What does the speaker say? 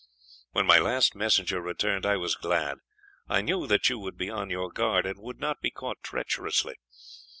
"When my last messenger returned, I was glad; I knew that you would be on your guard, and would not be caught treacherously.